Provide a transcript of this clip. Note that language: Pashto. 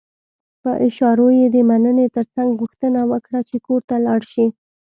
په اشارو يې د مننې ترڅنګ غوښتنه وکړه چې کور ته لاړ شي.